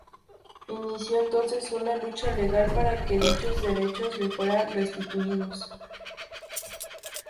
Inició entonces una lucha legal para que dichos derechos le fueran restituidos.